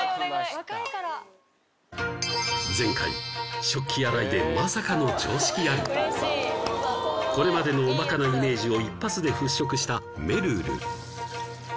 若いから前回食器洗いでまさかの常識ありうれしいこれまでのおバカなイメージを一発で払拭しためるる